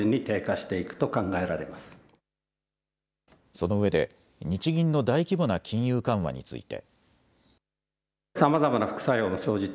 そのうえで日銀の大規模な金融緩和について。